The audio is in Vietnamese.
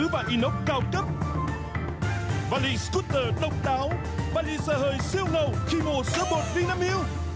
và lý scooter độc đáo và lý sở hời siêu ngầu khi mùa sữa bột vinamil